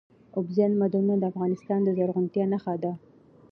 اوبزین معدنونه د افغانستان د زرغونتیا نښه ده.